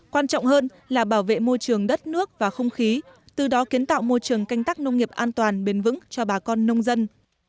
quan trọng hơn là bảo vệ môi trường đất nước và không khí từ đó kiến tạo môi trường canh tắc nông nghiệp an toàn bền vững cho bà con nông dân